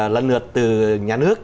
lần lượt từ nhà nước